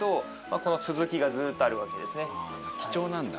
貴重なんだ。